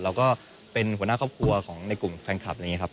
เราก็เป็นหัวหน้าครอบครัวของในกลุ่มแฟนคลับอะไรอย่างนี้ครับ